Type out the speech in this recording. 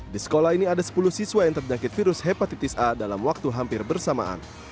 di sekolah ini ada sepuluh siswa yang terjangkit virus hepatitis a dalam waktu hampir bersamaan